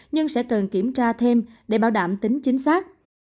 nhưng sẽ cần kiểm tra thêm để bảo đảm tính chính xác